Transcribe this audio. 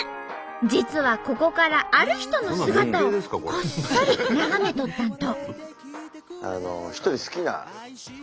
実はここからある人の姿をこっそり眺めとったんと。